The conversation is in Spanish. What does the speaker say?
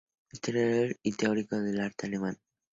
Historiador y teórico del arte alemán.